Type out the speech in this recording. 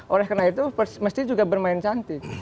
oleh karena itu mesti juga bermain cantik